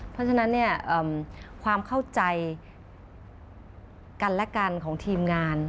เพราะฉะนั้นเนี่ยความเข้าใจกันและกันของทีมงาน